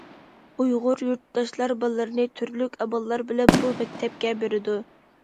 ئۇيغۇر يۇرتداشلار بالىلىرىنى تۈرلۈك ئاماللار بىلەن بۇ مەكتەپكە بېرىدۇ.